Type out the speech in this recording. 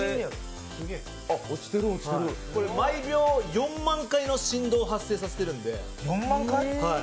毎秒４万回の振動を発生させてるので。